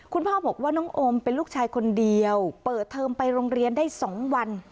คุณพ่อบอกว่าน้องโอมเป็นลูกชายคนเดียวเปิดเทอมไปโรงเรียนได้๒วัน